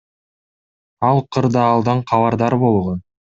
Ал кырдаалдан кабардар болгон.